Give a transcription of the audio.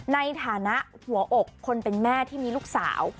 ในฐานะหัวอกคนเป็นแม่ที่มีลูกสาว